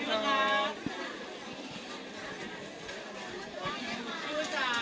กับมิติคะ